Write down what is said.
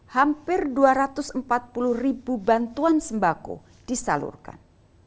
hampir dua ratus empat puluh ribu bantuan sembako disalurkan